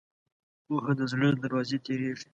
پوهه د زړه له دروازې تېرېږي.